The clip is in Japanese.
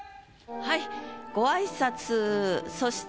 はい。